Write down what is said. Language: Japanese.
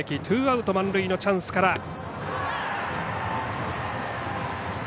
ツーアウト満塁のチャンスから。